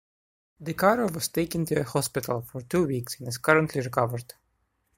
De Caro was taken to a hospital for two weeks and is currently recovered.